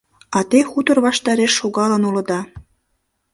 А те хутор ваштареш шогалын улыда.